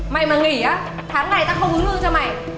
mày mà nghỉ á tháng này tao không ứng ứng cho mày